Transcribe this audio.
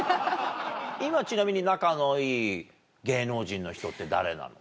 今ちなみに仲のいい芸能人の人って誰なの？